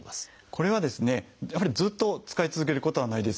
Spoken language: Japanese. これはですねやはりずっと使い続けることはないです。